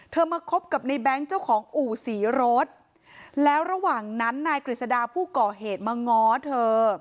มาคบกับในแบงค์เจ้าของอู่ศรีรถแล้วระหว่างนั้นนายกฤษดาผู้ก่อเหตุมาง้อเธอ